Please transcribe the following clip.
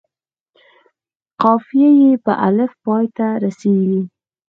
قافیه یې په الف پای ته رسيږي.